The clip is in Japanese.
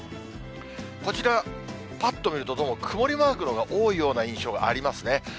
こちら、ぱっと見るとどうも曇りマークのほうが多いような印象がありますね。